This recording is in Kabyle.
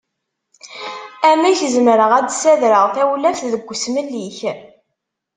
Amek zemreɣ ad d-ssadreɣ tawlaft deg usmel-ik?